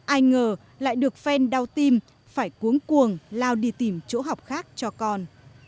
ai ngờ lại được fan đau tim phải cuốn cuồng lao đi tìm chỗ học khác cho con